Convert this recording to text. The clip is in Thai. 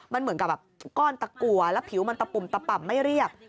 มันเหมือนกับแบบก้อนตะกัวแล้วผิวมันตะปุ่มตะป่ำไม่เรียบ